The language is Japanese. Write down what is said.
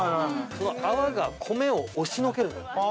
その泡が米を押しのける。